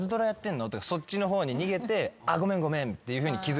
そっちの方に逃げて「ごめんごめん」って気付かせます。